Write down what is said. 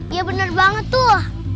iya bener banget tuh